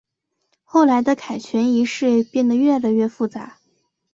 后来的凯旋仪式变得越来越复杂。